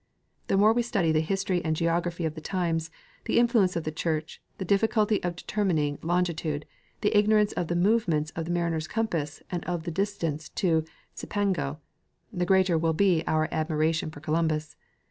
Tlie more we study the history and geog raphy of the times, the influence of the church, the difficulty of determining longitude, the ignorance of the movements of the mariners' compass and of the distance to Cipango, the greater will be our admiration for Columbus.